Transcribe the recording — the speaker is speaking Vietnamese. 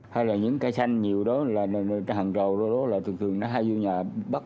hay là những cây xanh nhiều đó là cái hẳn trầu đó là thường thường nó hay vô nhà bắt